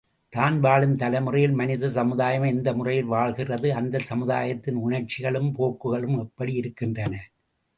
தான் வாழும் தலைமுறையில், மனித சமுதாயம் எந்த முறையில் வாழ்கிறது அந்தச் சமுதாயத்தின் உணர்ச்சிகளும் போக்குகளும் எப்படி இருக்கின்றன?